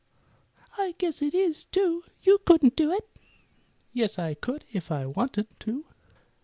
"I guess it is, too. You couldn't do it." "Yes, I could, if I wanted to."